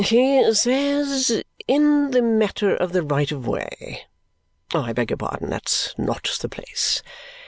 "He says 'In the matter of the right of way ' I beg your pardon, that's not the place.